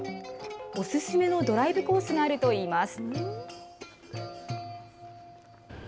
お勧めのドライブコースがあるといいます。